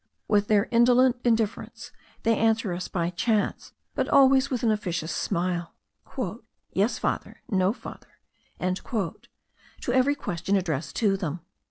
With their indolent indifference, they answer us by chance, but always with an officious smile, "Yes, Father; no, Father," to every question addressed to them.